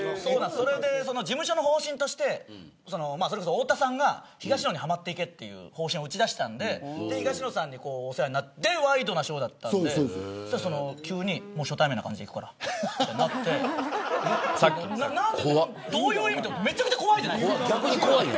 事務所の方針として太田さんが、東野にはまっていけという方針を打ち出したんで東野さんにお世話になってそれでワイドナショーだったんでそうしたら急に初対面の感じでいくからとなってどういう意味って、めちゃくちゃ怖いじゃないですか。